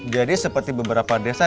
jadi seperti beberapa desa